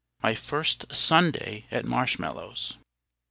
MY FIRST SUNDAY AT MARSHMALLOWS.